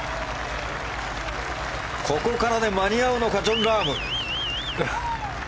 ここからで間に合うのかジョン・ラーム。